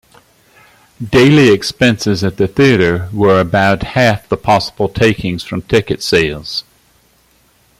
Daily expenses at the theatre were about half the possible takings from ticket sales.